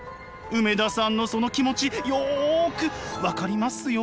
梅田さんのその気持ちよく分かりますよ！